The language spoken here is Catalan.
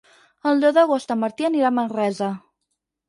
El deu d'agost en Martí anirà a Manresa.